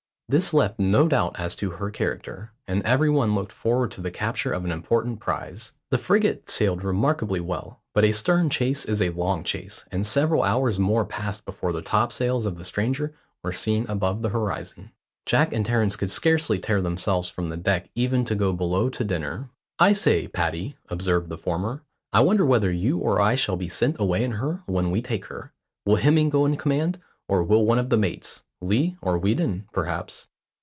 This left no doubt as to her character, and every one looked forward to the capture of an important prize. The frigate sailed remarkably well, but a stern chase is a long chase, and several hours more passed before the topsails of the stranger were seen above the horizon. Jack and Terence could scarcely tear themselves from the deck even to go below to dinner. "I say, Paddy," observed the former, "I wonder whether you or I shall be sent away in her when we take her. Will Hemming go in command, or will one of the mates? Lee or Weedon, perhaps."